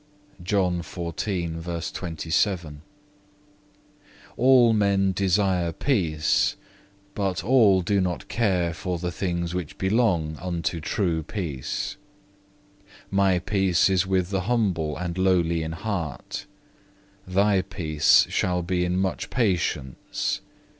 (1) All men desire peace, but all do not care for the things which belong unto true peace. My peace is with the humble and lowly in heart. Thy peace shall be in much patience.